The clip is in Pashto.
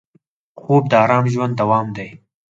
خوب د ارام ژوند دوام دی